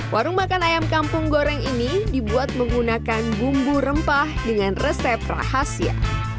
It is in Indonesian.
warung makan ayam kampung goreng ini dibuat menggunakan bumbu rempah dengan resep rahasia